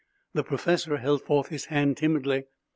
The professor held forth his hand timidly.